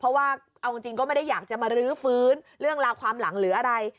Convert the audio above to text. เพราะว่าเอาจริงก็ไม่ได้อยากจะมารื้อฟื้นเรื่องราวความหลังหรืออะไร